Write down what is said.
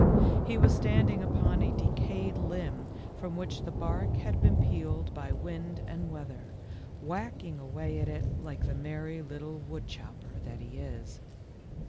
He was standing upon a decayed limb from which the bark had been peeled by wind and weather, whacking away at it like the merry little woodchopper that he is.